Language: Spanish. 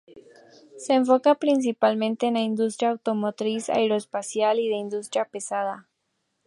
Se enfoca principalmente en la industria automotriz, aeroespacial, y de industria pesada.